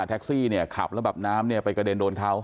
แท็กซี่ขับแล้วแบบน้ำไปกระเด็นโดนเขา